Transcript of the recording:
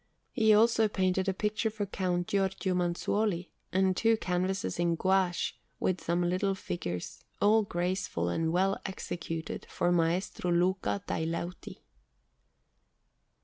He also painted a picture for Count Giorgio Manzuoli, and two canvases in gouache, with some little figures, all graceful and well executed, for Maestro Luca dai Leuti.